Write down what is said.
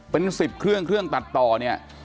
เป็น๑๐เครื่องตัดต่อเนี่ย